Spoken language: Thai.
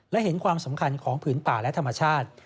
และเห็นความสำคัญของผืนป่าและธรรมชาติ